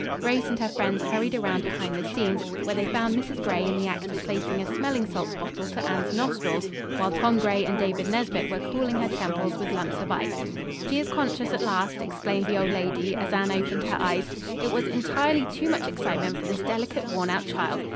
Grace and her friends hurried around behind the scenes, where they found Mrs. Gray in the act of placing a smelling salts bottle to Anne's nostrils, while Tom Gray and David Nesbit were cooling her temples with lumps of ice. "She is conscious at last!" exclaimed the old lady, as Anne opened her eyes. "It was entirely too much excitement for this delicate, worn out child.